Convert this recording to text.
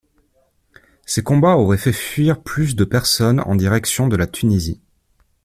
Ces combats auraient fait fuir plus de personnes en direction de la Tunisie.